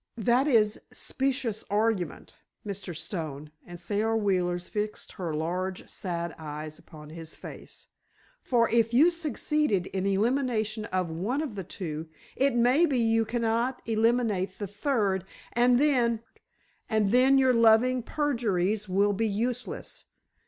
"That is specious argument, Mr. Stone," and Sara Wheeler fixed her large, sad eyes upon his face. "For, if you succeeded in elimination of one of the two, it may be you cannot eliminate the third—and then——" "And then your loving perjuries will be useless.